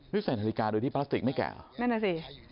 นี่ใส่ธริกาโดยที่พลาสติกไม่แกะเหรอ